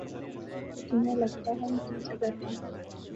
تمہیں لگتا ہے میں تم سے ڈرتا ہوں؟